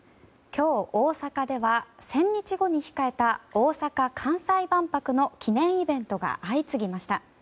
今日、大阪では１０００日後に控えた大阪・関西万博の記念イベントが相次ぎました。